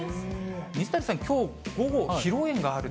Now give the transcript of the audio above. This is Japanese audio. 水谷さん、きょう披露宴があると？